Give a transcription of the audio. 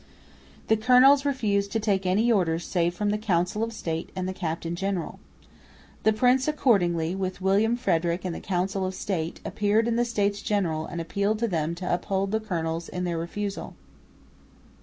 The colonels refused to take any orders save from the Council of State and the captain general. The prince accordingly, with William Frederick and the Council of State, appeared in the States General and appealed to them to uphold the colonels in their refusal.